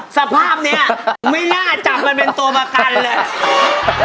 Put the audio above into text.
สภาพนี้ไม่น่าจับมันเป็นตัวประกันเลย